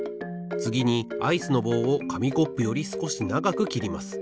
つぎにアイスの棒をかみコップよりすこしながくきります。